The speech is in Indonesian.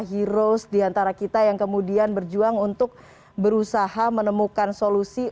heroes diantara kita yang kemudian berjuang untuk berusaha menemukan solusi